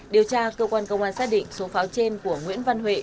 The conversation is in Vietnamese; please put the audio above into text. điều tra cơ quan công an xác định số pháo trên của nguyễn văn huệ